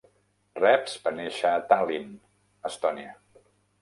Reps va néixer a Tallinn, Estònia.